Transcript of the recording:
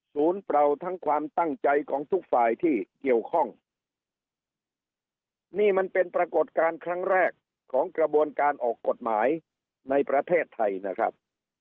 เปล่าทั้งความตั้งใจของทุกฝ่ายที่เกี่ยวข้องนี่มันเป็นปรากฏการณ์ครั้งแรกของกระบวนการออกกฎหมายในประเทศไทยนะครับ